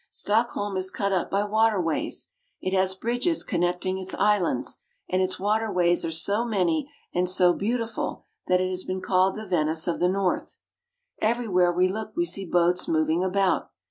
Stockholm is cut up by water ways. It has bridges con necting its islands, and its water ways are so many and so beautiful that it has been called the Venice of the North. Everywhere we look we see boats moving about.